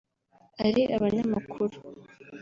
ari abanyamakuru